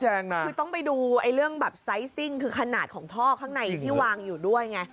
คือต้องไปดูเรื่องแบบไซสซิ่งคือขนาดของท่อข้างในที่วางอยู่ด้วยไง